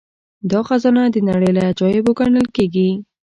دا خزانه د نړۍ له عجايبو ګڼل کیږي